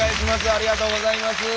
ありがとうございます。